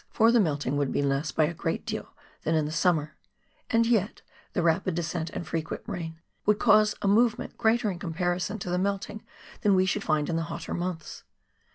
For the melting would be less by a great deal than in the summer, and yet the rapid descent and frequent rain would cause a movement greater in comparison to the melting than we should find in the hotter months.